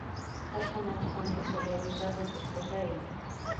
En casa, no obstante, solía abusar de su esposa e hijo.